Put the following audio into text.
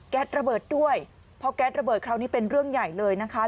ระเบิดด้วยเพราะแก๊สระเบิดคราวนี้เป็นเรื่องใหญ่เลยนะคะ